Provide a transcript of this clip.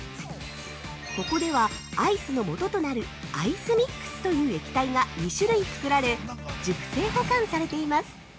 ここではアイスのもととなるアイスミックスという液体が２種類作られ、熟成保管されています。